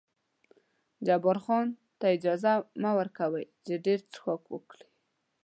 جبار خان ته اجازه مه ور کوه چې ډېر څښاک وکړي.